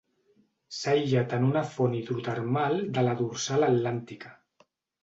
S'ha aïllat en una font hidrotermal de la Dorsal Atlàntica.